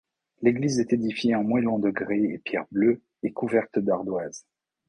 L'église est édifiée en moellons de grès et pierre bleue, et couverte d'ardoises.